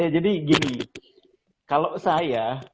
jadi gini kalau saya